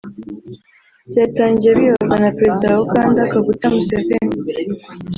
byatangiye biyoborwa na Perezida wa Uganda Kaguta Museveni